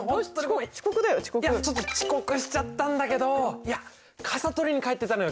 いやちょっと遅刻しちゃったんだけどいや傘取りに帰ってたのよ。